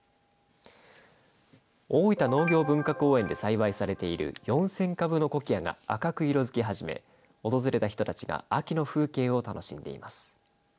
大分農業文化公園で栽培されている４０００株のコキアが赤く色づき始め訪れた人たちが秋の風景を楽しんでいます。